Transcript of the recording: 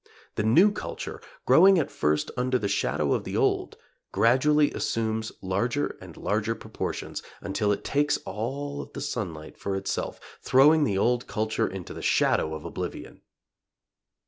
The new culture, growing at first under the shadow of the old, gradually assumes larger and larger proportions until it takes all of the sunlight for itself, throwing the old culture into the shadow of oblivion.